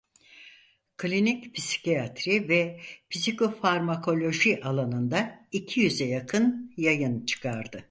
Klinik psikiyatri ve psikofarmakoloji alanında iki yüze yakın yayın çıkardı.